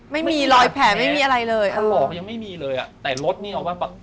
ไม่มีรอยแผ่ไม่มีอะไรเลยเออหลอกยังไม่มีเลยอะแต่รถนี่เอาว่า